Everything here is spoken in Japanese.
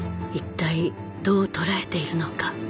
一体どう捉えているのか。